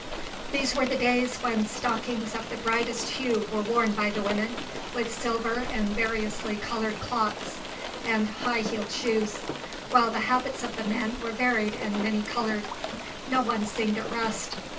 These were the days when stockings of the brightest hue were worn by the women, with silver and variously coloured clocks, and high heeled shoes; while the habits of the men were varied and many coloured. No one seemed at rest.